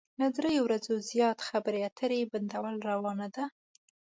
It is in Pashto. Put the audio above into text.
له درې ورځو زيات خبرې اترې بندول روا نه ده.